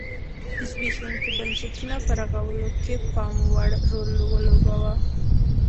زبېښونکي بنسټونه په رغولو کې پاموړ رول ولوباوه.